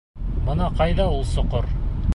Бына ҡайҙа ул соҡор.